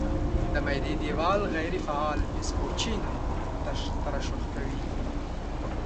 د معدې دېوال غیر فعال پیپسوجین ترشح کوي.